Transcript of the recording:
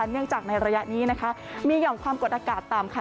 เนื่องจากในระยะนี้นะคะมีหย่อมความกดอากาศต่ำค่ะ